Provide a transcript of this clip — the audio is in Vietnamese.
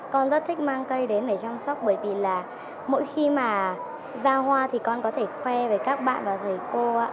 con rất thích mang cây đến để chăm sóc bởi vì là mỗi khi mà ra hoa thì con có thể khoe với các bạn và thầy cô ạ